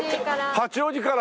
八王子から？